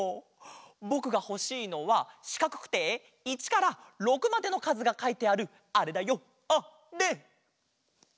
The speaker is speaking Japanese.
ぼくがほしいのはしかくくて１から６までのかずがかいてあるあれだよあれ！